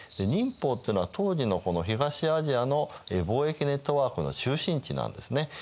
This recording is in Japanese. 寧波っていうのは当時の東アジアの貿易ネットワークの中心地なんですね。